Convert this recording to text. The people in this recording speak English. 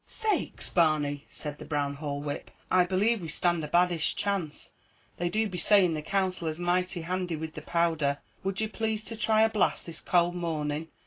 "Faix, Barney," said the Brown Hall whip, "I believe we stand a baddish chance; they do be saying the Counsellor's mighty handy with the powdher; would you plaze to try a blast this cowld morning?"